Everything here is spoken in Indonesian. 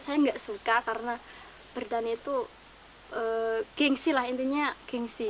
saya nggak suka karena berdan itu gengsi lah intinya gengsi